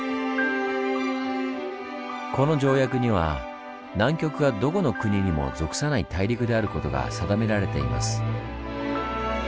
この条約には南極がどこの国にも属さない大陸であることが定められています。